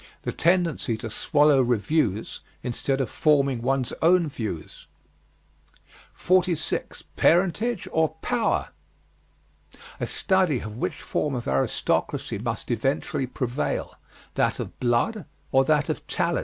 The tendency to swallow reviews instead of forming one's own views. 46. PARENTAGE OR POWER? A study of which form of aristocracy must eventually prevail, that of blood or that of talent. 47.